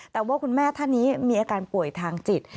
แต่ว่าคุณแม่ท่านนี้มีอาการป่วยทางจิต